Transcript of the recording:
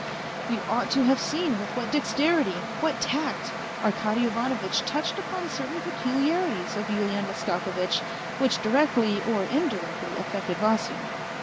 You ought to have seen with what dexterity, what tact, Arkady Ivano vitch touched upon certain peculiarities of Yulian Mastakovitch which directly or indirectly affected Vasya.